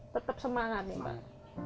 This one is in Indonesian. tetap semangat nih pak